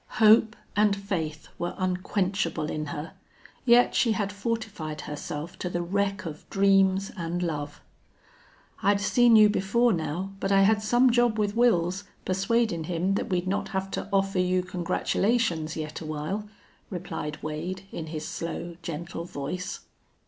Hope and faith were unquenchable in her, yet she had fortified herself to the wreck of dreams and love. "I'd seen you before now, but I had some job with Wils, persuadin' him that we'd not have to offer you congratulations yet awhile," replied Wade, in his slow, gentle voice.